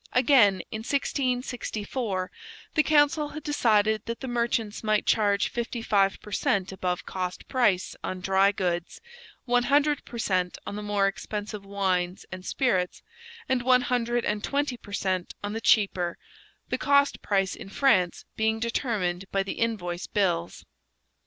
Again, in 1664 the council had decided that the merchants might charge fifty five per cent above cost price on dry goods, one hundred per cent on the more expensive wines and spirits, and one hundred and twenty per cent on the cheaper, the cost price in France being determined by the invoice bills.